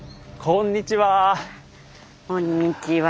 こんにちは。